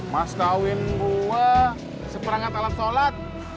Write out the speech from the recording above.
mas kawin gue seperangkat alat sholat